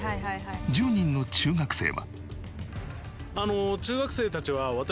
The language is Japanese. １０人の中学生は。